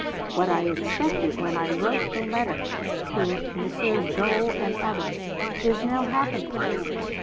What I expected when I wrote the letter to Messrs. Dole and others is now happening.